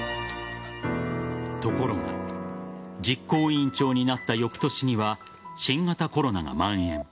ところが実行委員長になった翌年には新型コロナがまん延。